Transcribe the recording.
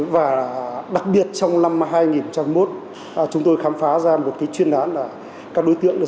và đặc biệt trong năm hai nghìn một chúng tôi khám phá ra một cái chuyên đoán là